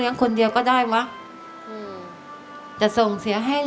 ทั้งในเรื่องของการทำงานเคยทำนานแล้วเกิดปัญหาน้อย